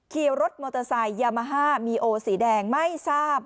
ขี่รถมอเตอร์ไซค์ยามาฮ่ามีโอสีแดงไม่ทราบ